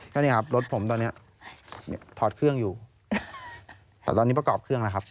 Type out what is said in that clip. ก็เนี่ยครับรถผมตอนเนี้ยถอดเครื่องอยู่แต่ตอนนี้ประกอบเครื่องแล้วครับ